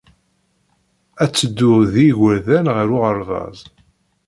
Ad teddu ed yigerdan ɣer uɣerbaz.